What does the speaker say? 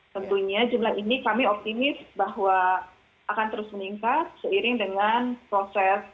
tentunya jumlah ini kami optimis bahwa akan terus meningkat seiring dengan proses